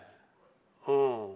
うん。